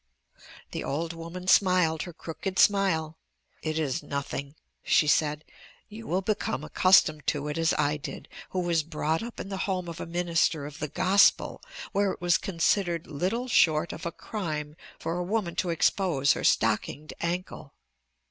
The old woman smiled her crooked smile. "It is nothing," she said. "You will become accustomed to it as did I who was brought up in the home of a minister of the gospel, where it was considered little short of a crime for a woman to expose her stockinged ankle.